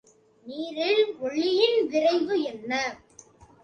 நீரில் ஒலியின் விரைவு என்ன?